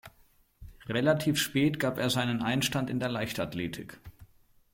Relativ spät gab er seinen Einstand in der Leichtathletik.